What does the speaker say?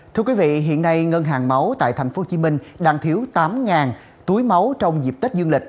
thưa quý vị hiện nay ngân hàng máu tại tp hcm đang thiếu tám túi máu trong dịp tết dương lịch